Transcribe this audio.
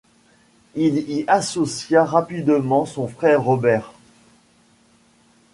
Il y associa rapidement son frère Robert.